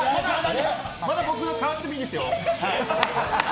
まだ僕、変わってもいいですよ。